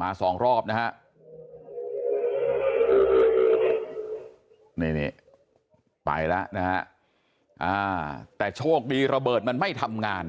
มา๒รอบนะครับไปแล้วนะครับแต่โชคดีระเบิดมันไม่ทำงาน